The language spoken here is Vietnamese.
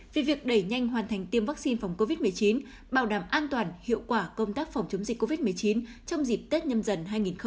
về việc đẩy nhanh hoàn thành tiêm vaccine phòng covid một mươi chín bảo đảm an toàn hiệu quả công tác phòng chống dịch covid một mươi chín trong dịp tết nhâm dần hai nghìn hai mươi